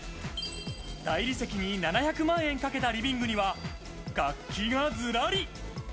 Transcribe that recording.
大理石に７００万円かけたリビングには、楽器がズラリ。